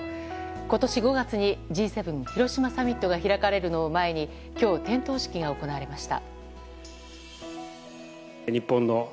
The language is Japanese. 今年５月にＧ７広島サミットが開かれるのを前に今日、点灯式が行われました。